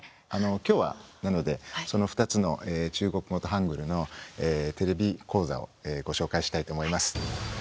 今日は、なのでその２つの中国語とハングルのテレビ講座をご紹介したいと思います。